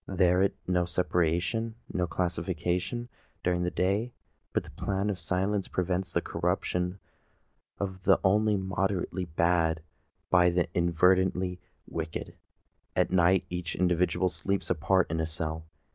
There it no separation—no classification—during the day; but the plan of silence prevents the corruption of the only moderately bad by the inveterately wicked. At night each individual sleeps apart in a cell.